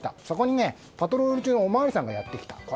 そこにパトロール中のお巡りさんがやってきた。